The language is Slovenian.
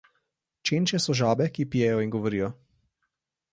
Čenče so žabe, ki pijejo in govorijo.